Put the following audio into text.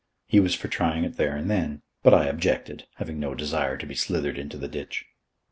He was for trying it there and then; but I objected, having no desire to be slithered into the ditch.